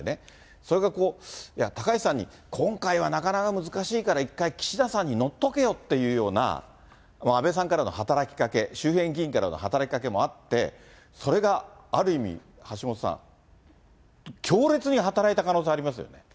それがこう、いや、高市さんに今回はなかなか難しいから一回、岸田さんに乗っとけよみたいな、安倍さんからの働きかけ、周辺議員からの働きかけもあって、それがある意味、橋下さん、強烈に働いた可能性がありますよね。